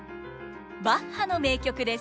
バッハの名曲です。